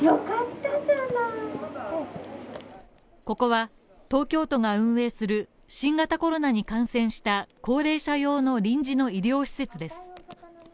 ここは東京都が運営する新型コロナに感染した高齢者用の臨時の医療施設です。